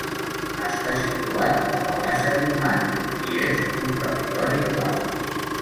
Està situat a la Baixa Birmània i és un territori pla.